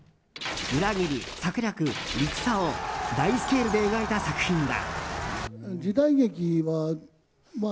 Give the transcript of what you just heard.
裏切り・策略・戦を大スケールで描いた作品だ。